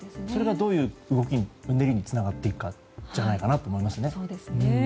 それがどういううねりにつながっていくかじゃないかと思いますね。